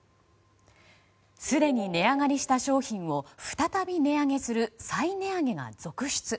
すでに値上がりした商品を再び値上げする再値上げが続出。